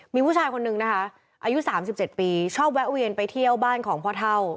มีผู้ชายคนนึงนะคะอายุ๓๗ปีชอบแวะเวียนไปเที่ยวบ้านของพ่อเท่า